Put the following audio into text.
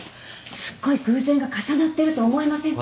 すっごい偶然が重なってると思いませんか？